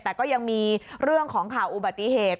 แต่ก็ยังมีเรื่องของข่าวอุบัติเหตุ